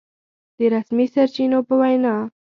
د رسمي سرچينو په وينا